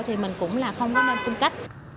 thì mình cũng không có nên cung cấp